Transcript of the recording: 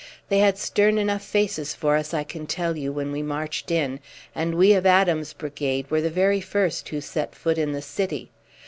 They had stern enough faces for us, I can tell you, when we marched in, and we of Adams' brigade were the very first who set foot in the city.